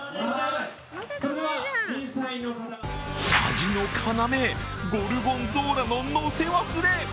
味の要、ゴルゴンゾーラののせ忘れ！